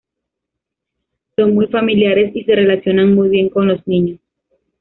Son muy familiares y se relacionan muy bien con los niños.